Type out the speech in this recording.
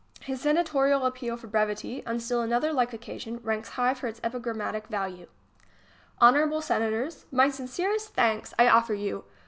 His senatorial appeal for brevity, on still another like occasion, ranks high for its epigrammatic value : Honorable Senators, my sincere st thanks I offer you.